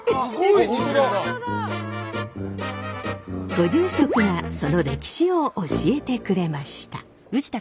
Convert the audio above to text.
ご住職がその歴史を教えてくれました。